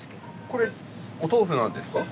これお豆腐なんですか？